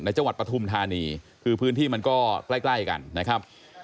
จังหวัดปฐุมธานีคือพื้นที่มันก็ใกล้กันนะครับ